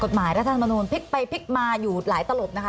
กฎหมายรัฐธรรมนุนพลิกไปพลิกมาอยู่หลายตลกนะคะ